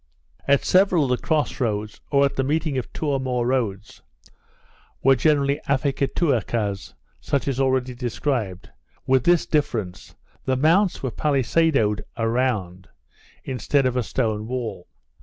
At several of the cross roads, or at the meeting of two or more roads, were generally Afiatoucas, such as already described; with this difference, the mounts were pallisadoed round, instead of a stone wall.